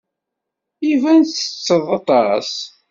Iban ttetteḍ aṭas.